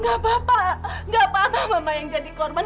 gak apa apa gak apa apa mama yang jadi korban